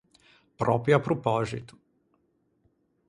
Pròpio à propòxito.